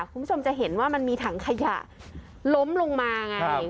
คุณผู้ชมจะเห็นว่ามันมีถังขยะล้มลงมาไง